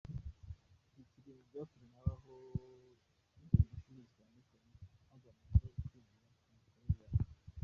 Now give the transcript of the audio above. Iki kiri mu byatumye habaho ingendoshuri zitandukanye hagamijwe kwigira ku mikorere yayo.